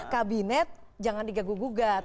kabinet jangan digagugat